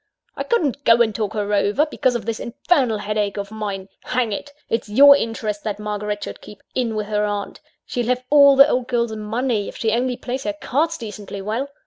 I couldn't go and talk her over, because of this infernal headache of mine Hang it! it's your interest that Margaret should keep in with her aunt; she'll have all the old girl's money, if she only plays her cards decently well.